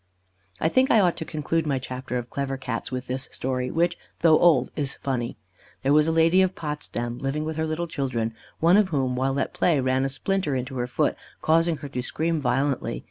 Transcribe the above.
I think I ought to conclude my chapter of Clever Cats with this story, which, though old, is funny: There was a lady of Potsdam, living with her little children, one of whom, while at play, ran a splinter into her foot, causing her to scream violently.